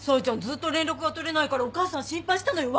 ずっと連絡が取れないからお母さん心配したのよ。